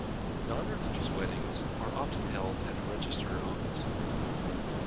Non-religious weddings are often held at a Register Office